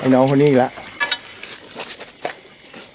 น้องคนนี้อีกแล้ว